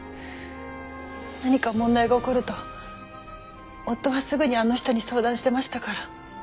何か問題が起こると夫はすぐにあの人に相談してましたから。